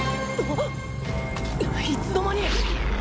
いつの間に！